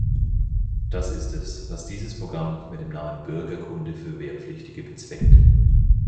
Das ist es, was dieses Programm mit dem Namen "Bürgerkunde für Wehrpflichtige" bezweckt.